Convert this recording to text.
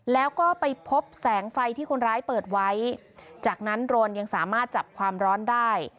แล้วก็ไปพบแสงไฟที่คนร้ายเปิดไว้จากนั้นโรนยังสามารถจับความร้อนได้